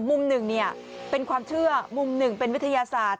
มุมหนึ่งเป็นความเชื่อมุมหนึ่งเป็นวิทยาศาสตร์